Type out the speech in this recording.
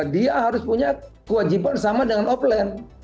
dia harus punya kewajiban sama dengan offline